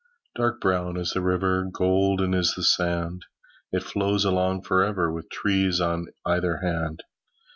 Dark brown is the river, Golden is the sand. It flows along for ever, With trees on either hand.